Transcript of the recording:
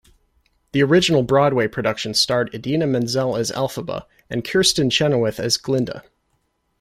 The original Broadway production starred Idina Menzel as Elphaba and Kristin Chenoweth as Glinda.